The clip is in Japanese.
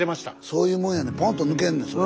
そういうもんやねんポンと抜けんねんそれ。